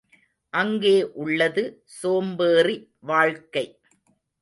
அங்கே உள்ளது சோம்பேறி வாழ்க்கை.